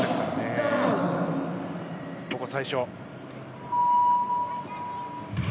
この、最初。